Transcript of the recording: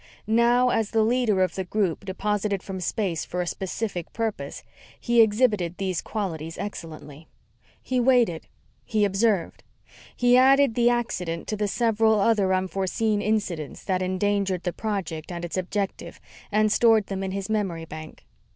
Now, as the leader of the group deposited from space for a specific purpose, he exhibited these qualities excellently. He waited. He observed. He added the accident to the several other unforeseen incidents that endangered the project and its objective, and stored them in his memory bank.